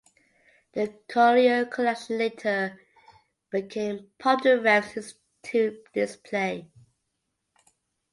The Collier Collection later became part of the Revs Institute display.